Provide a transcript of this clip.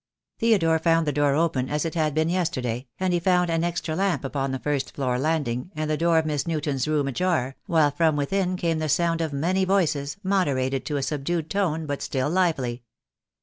Theo dore found the door open, as it had been yesterday, and he found an extra lamp upon the first floor landing, and the door of Miss Newton's room ajar, while from within came the sound of many voices, moderated to a subdued tone, but still lively.